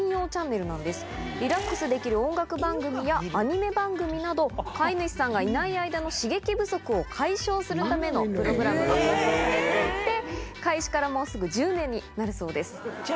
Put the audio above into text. リラックスできる音楽番組やアニメ番組など飼い主さんがいない間の刺激不足を解消するためのプログラムで構成されていて開始からもうすぐ１０年になるそうです。